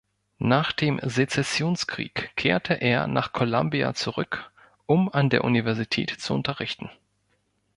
Nach dem Sezessionskrieg kehrte er nach Columbia zurück, um an der Universität zu unterrichten.